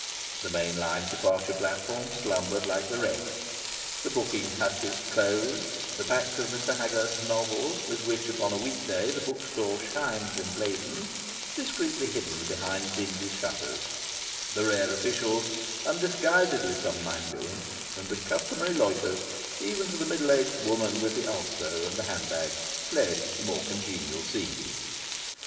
The main line departure platform slumbered like the rest; the booking hutches closed; the backs of Mr Haggard's novels, with which upon a weekday the bookstall shines emblazoned, discreetly hidden behind dingy shutters; the rare officials, undisguisedly somnambulant; and the customary loiterers, even to the middle aged woman with the ulster and the handbag, fled to more congenial scenes.